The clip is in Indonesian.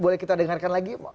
boleh kita dengarkan lagi